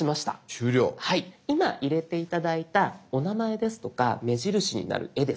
今入れて頂いたお名前ですとか目印になる絵ですね